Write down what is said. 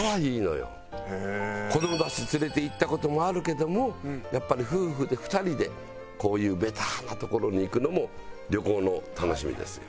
子どもたち連れていった事もあるけどもやっぱり夫婦で２人でこういうベタな所に行くのも旅行の楽しみですよ。